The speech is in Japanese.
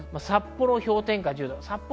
札幌、氷点下１０度。